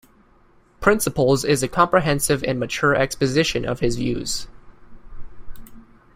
"Principles" is a comprehensive and mature exposition of his views.